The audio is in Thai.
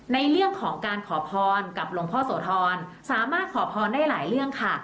ในเรื่องของการขอพรกับหลวงพ่อโสธรสามารถขอพรได้หลายเรื่องค่ะ